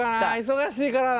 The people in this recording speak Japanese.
忙しいからな。